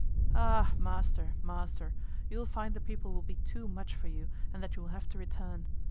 "Ah, master, master, you will find the people will be too much for you, and that you will have to return.